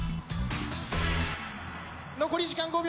残り時間５秒。